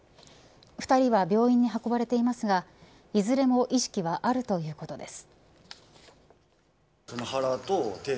２人は病院に運ばれていますがいずれも意識はあるということです。